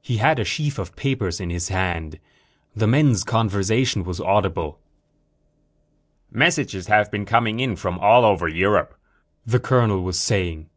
He had a sheaf of papers in his hand. The men's conversation was audible. "Messages have been coming in from all over Europe," the colonel was saying.